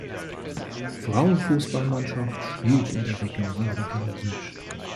Frauenfußball-Mannschaft spielt in der Regionalliga Süd.